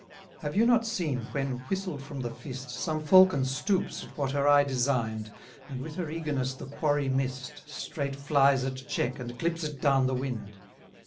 86 Have you not seen, when, whistled from the fist, Some falcon stoops at what her eye design'd, And, with her eagerness the quarry miss'd, Straight flies at check, and clips it down the wind.